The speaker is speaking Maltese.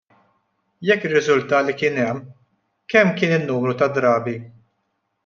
Jekk jirriżulta li kien hemm, kemm kien in-numru ta' drabi?